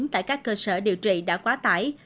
tại các cơ sở điều trị đã quá tải